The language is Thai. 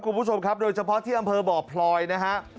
คุณผู้ชมครับโดยเฉพาะที่อำเภอบ่อพลอยนะฮะ